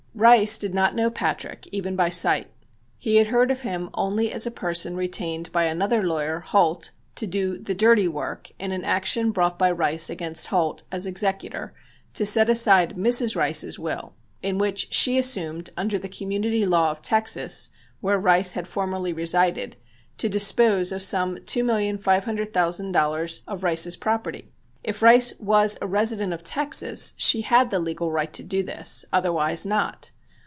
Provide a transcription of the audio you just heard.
Rice did not know Patrick even by sight. He had heard of him only as a person retained by another lawyer (Holt) to do "the dirty work" in an action brought by Rice against Holt, as executor, to set aside Mrs. Rice's will, in which she assumed, under the "Community Law" of Texas, where Rice had formerly resided, to dispose of some $2,500,000 of Rice's property. If Rice was a resident of Texas she had the legal right to do this, otherwise not.